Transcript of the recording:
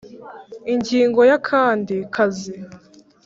Ingingo ya Akandi kazi